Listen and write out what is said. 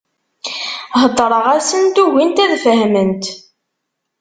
Heddreɣ-asent, ugint ad fehment.